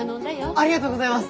ありがとうございます！